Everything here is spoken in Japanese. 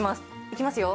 いきますよ。